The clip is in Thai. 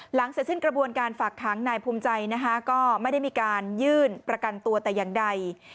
หลังเสร็จสิ้นกระบวนการฝากขังนายภูมิใจนะคะก็ไม่ได้มีการยื่นประกันตัวแต่อย่างใด